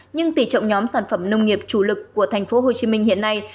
nhưng tỷ trọng nhóm sản phẩm nông nghiệp chủ lực của thành phố hồ chí minh hiện nay